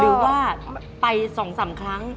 หรือว่าไปสองสามครั้ง